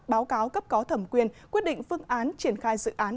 báo cáo cấp có thẩm quyền quyết định phương án triển khai dự án